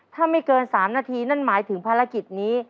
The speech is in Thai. ถ้าไม่เกิน๓นาทีนั่นหมายถึงภารกิจนี้